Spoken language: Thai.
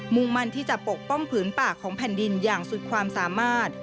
มั่นที่จะปกป้องผืนป่าของแผ่นดินอย่างสุดความสามารถ